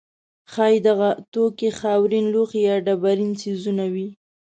ښایي دغه توکي خاورین لوښي یا ډبرین څیزونه وي.